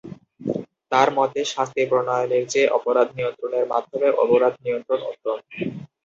তার মতে, শাস্তি প্রণয়নের চেয়ে অপরাধ নিয়ন্ত্রণের মাধ্যমে অপরাধ নিয়ন্ত্রণ উত্তম।